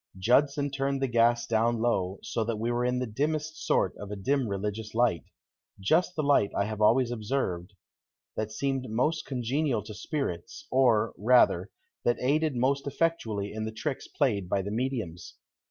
Judson turned the gas down low, so that we were in the dimmest sort of a dim religious light just the light, I have always observed, that seemed most congenial to spirits, or, rather, that aided most effectually in the tricks played by the mediums.